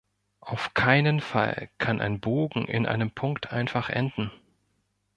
Auf keinen Fall kann ein Bogen in einem Punkt einfach enden.